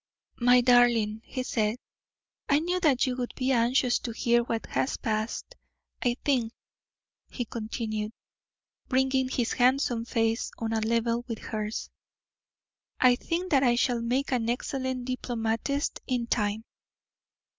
"My darling," he said, "I knew that you would be anxious to hear what has passed. I think," he continued, bringing his handsome face on a level with hers, "I think that I shall make an excellent diplomatist in time."